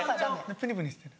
プニプニしてる。